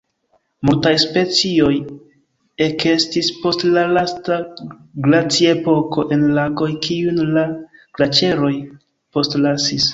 Multaj specioj ekestis post la lasta glaciepoko en lagoj kiujn la glaĉeroj postlasis.